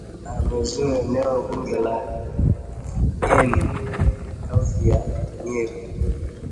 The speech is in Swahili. amezuru eneo bunge la Kieni kaunti ya nyeri